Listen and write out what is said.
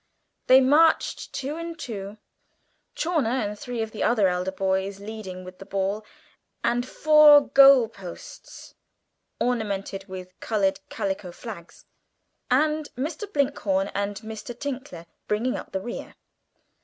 They marched two and two, Chawner and three of the other elder boys leading with the ball and four goal posts ornamented with coloured calico flags, and Mr. Blinkhorn and Mr. Tinkler bringing up the rear.